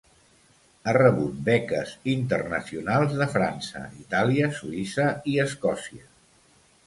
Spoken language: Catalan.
Ha rebut beques internacionals de França, Itàlia, Suïssa i Escòcia.